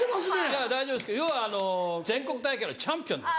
いや大丈夫です要は全国大会のチャンピオンで。